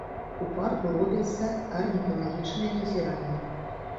У парку робяцца арніталагічныя назіранні.